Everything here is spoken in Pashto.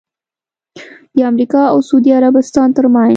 د امریکا اوسعودي عربستان ترمنځ